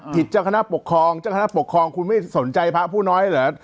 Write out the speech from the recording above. เจ้าคณะปกครองเจ้าคณะปกครองคุณไม่สนใจพระผู้น้อยเหรอ